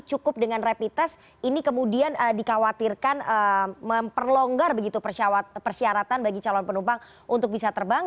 cukup dengan rapid test ini kemudian dikhawatirkan memperlonggar begitu persyaratan bagi calon penumpang untuk bisa terbang